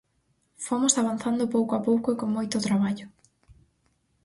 Fomos avanzando pouco a pouco e con moito traballo.